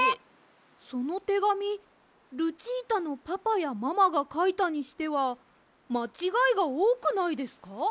そのてがみルチータのパパやママがかいたにしてはまちがいがおおくないですか？